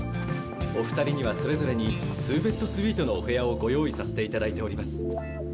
お二人にはそれぞれに２ベッドスイートのお部屋をご用意させていただいております。